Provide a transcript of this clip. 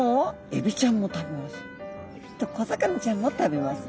エビと小魚ちゃんも食べます。